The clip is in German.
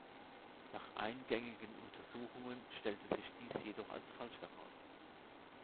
Nach eingängigen Untersuchungen stellte sich dies jedoch als falsch heraus.